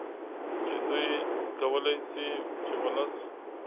چې دوی کولې شي چې ولس